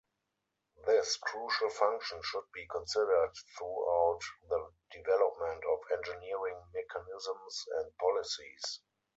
This crucial function should be considered throughout the development of engineering mechanisms and policies.